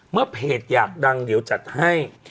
เพจอยากดังเดี๋ยวจัดให้